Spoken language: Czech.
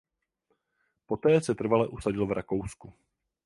Poté se trvale usadil v Rakousku.